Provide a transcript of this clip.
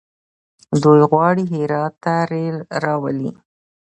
دوی غواړي هرات ته ریل راولي.